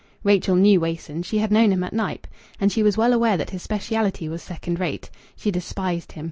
Rachel knew Wason; she had known him at Knype. And she was well aware that his speciality was second rate. She despised him.